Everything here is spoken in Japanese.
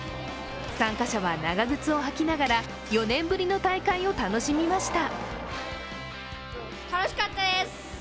参加者は長靴を履きながら４年ぶりの大会を楽しみました。